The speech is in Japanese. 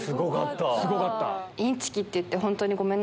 すごかった！